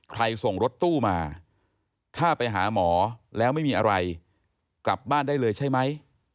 ส่งรถตู้มาถ้าไปหาหมอแล้วไม่มีอะไรกลับบ้านได้เลยใช่ไหม